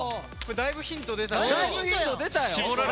だいぶヒント出たね。